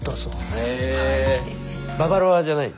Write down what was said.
へババロアじゃないんだ。